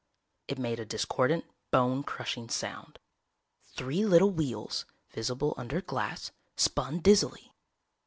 It made a discordant, bone crushing sound. Three little wheels, visible under glass, spun dizzily.